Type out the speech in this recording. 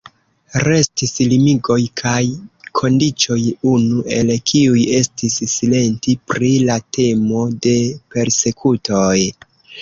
Restis limigoj kaj kondiĉoj, unu el kiuj estis silenti pri la temo de persekutoj.